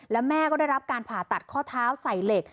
แล้วแม่ก็ได้รับการผ่าตัดข้อเท้าใส่เหล็ก